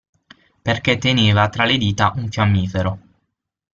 Perché teneva tra le dita un fiammifero.